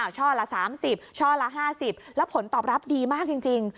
ช่อละ๓๐ช่อละ๕๐แล้วผลตอบรับดีมากจริง